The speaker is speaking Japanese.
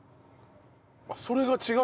あっそれが違う？